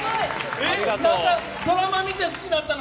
ドラマ見て好きなったの？